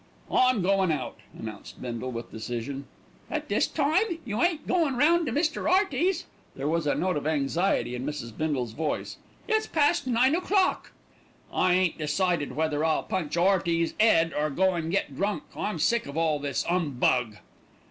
"I'm goin' out," announced Bindle with decision. "At this time? You ain't goin' round to Mr. Hearty's?" There was a note of anxiety in Mrs. Bindle's voice. "It's past nine o'clock." "I ain't decided whether I'll punch 'Earty's 'ead or go an' get drunk. I'm sick of all this 'umbug."